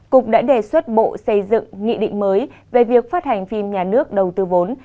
cục đã đề xuất bộ xây dựng nghị định mới về việc phát hành phim nhà nước đầu tư vốn